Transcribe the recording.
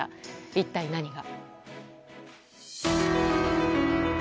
一体、何が。